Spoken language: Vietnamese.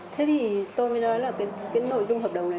thế thì tôi mới nói là cái nội dung hợp đồng này